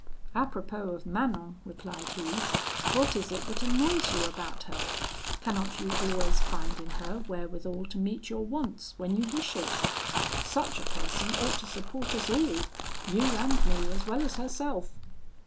'Apropos of Manon,' replied he, 'what is it that annoys you about her? Cannot you always find in her wherewithal to meet your wants, when you wish it? Such a person ought to support us all, you and me as well as herself.'